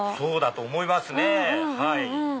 そうだと思いますね。